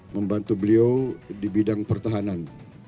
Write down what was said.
membantu beliau di bidang pertahanan